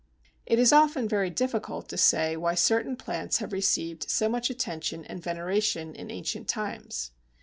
It is often very difficult to say why certain plants have received so much attention and veneration in ancient times.